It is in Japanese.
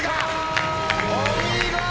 お見事！